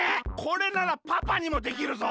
これならパパにもできるぞ！